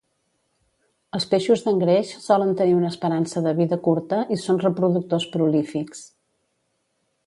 Els peixos d'engreix solen tenir una esperança de vida curta i són reproductors prolífics.